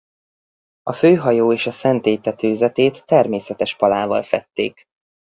A főhajó és a szentély tetőzetét természetes palával fedték.